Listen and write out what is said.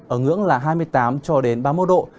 ở ngưỡng là hai mươi tám cho đến ba mươi một độ